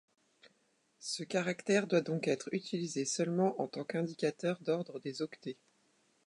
Ce caractère doit donc être utilisé seulement en tant qu'indicateur d'ordre des octets.